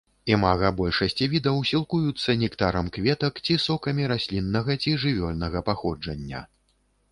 Імага большасці відаў сілкуюцца нектарам кветак ці сокамі расліннага ці жывёльнага паходжання.